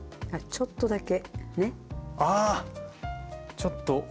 ちょっとだけ。